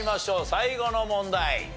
最後の問題。